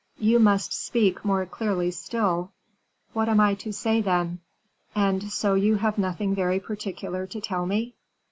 "You must speak more clearly still." "What am I to say, then?" "And so you have nothing very particular to tell me?"